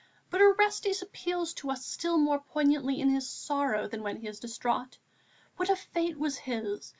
But Orestes appeals to us still more poignantly in his sorrow than when he is distraught. What a fate was his!